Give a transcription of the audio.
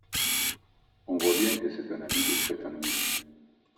On voit bien que c’est un habit de prétendu…